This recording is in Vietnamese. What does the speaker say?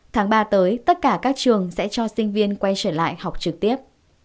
tháng ba tới tất cả các trường sẽ cho sinh viên quay trở lại học trực tiếp